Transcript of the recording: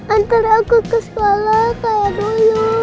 antara aku ke sekolah kayak dulu